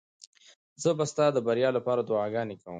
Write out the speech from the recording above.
زه به ستا د بریا لپاره دعاګانې کوم.